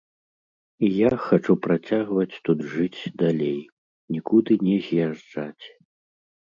І я хачу працягваць тут жыць далей, нікуды не з'язджаць.